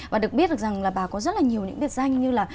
và được biết được rằng là bà có rất là nhiều những biệt danh như là